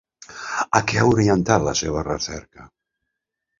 A què ha orientat la seva recerca?